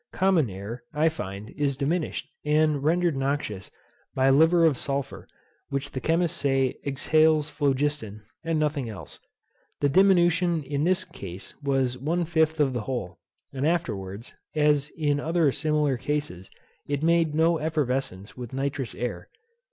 Common air, I find, is diminished, and rendered noxious, by liver of sulphur, which the chemists say exhales phlogiston, and nothing else. The diminution in this case was one fifth of the whole, and afterwards, as in other similar cases, it made no effervescence with nitrous air.